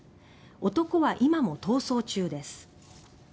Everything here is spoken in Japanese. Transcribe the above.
男は今も逃走中です。